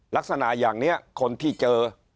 ลักษณะอย่างนี้คนที่เจอ